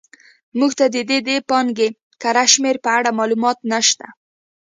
موږ ته د دې پانګې کره شمېر په اړه معلومات نه شته.